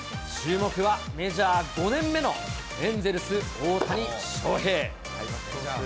注目はメジャー５年目のエンゼルス、大谷翔平。